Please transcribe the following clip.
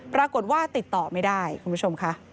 ปรากฏว่าติดต่อไม่ได้คุณผู้ชมค่ะ